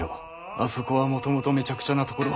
あそこはもともとめちゃくちゃなところ。